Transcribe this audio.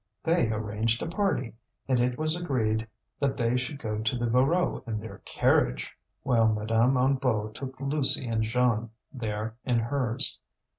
They arranged a party, and it was agreed that they should go to the Voreux in their carriage, while Madame Hennebeau took Lucie and Jeanne there in hers.